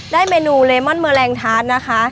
เมนูเลมอนเมอร์แรงทาสนะคะ